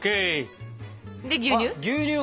で牛乳？